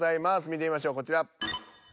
見てみましょうこちら。